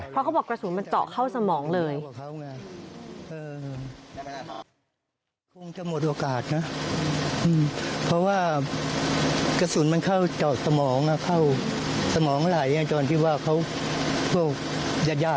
เพราะเขาบอกกระสุนมันเจาะเข้าสมองเลย